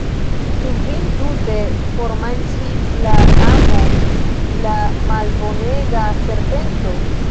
Ĉu vin tute formanĝis la amo, la malbonega serpento?